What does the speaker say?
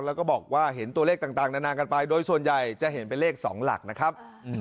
แล้วก็บอกว่าเห็นตัวเลขต่างนานากันไปโดยส่วนใหญ่จะเห็นเป็นเลข๒หลักนะครับ